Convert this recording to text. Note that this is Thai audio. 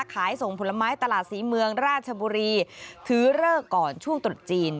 ขายส่งผลไม้ตลาดศรีเมืองราชบุรีถือเลิกก่อนช่วงตรุษจีน